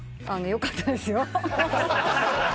よかったですよ。